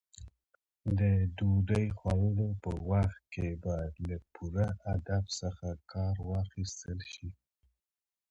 د ډوډۍ خوړلو په وخت کې باید له پوره ادب څخه کار واخیستل شي.